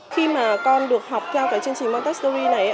khi mà con được học theo cái chương trình montex này